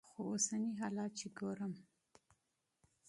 خو اوسني حالات چې ګورم.